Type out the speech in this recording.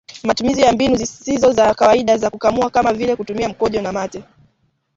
Matumizi ya mbinu zisizo za kawaida za kukamua kama vile kutumia mkojo na mate